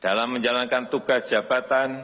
dalam menjalankan tugas jabatan